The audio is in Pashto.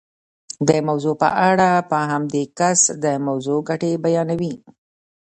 د موضوع په اړه په همدې کس د موضوع ګټې بیانوئ.